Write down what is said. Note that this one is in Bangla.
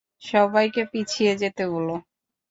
সবাইকে পিছিয়ে যেতে বলো।